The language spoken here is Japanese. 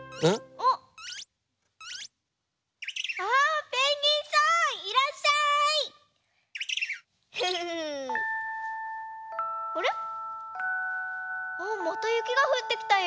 あっまたゆきがふってきたよ。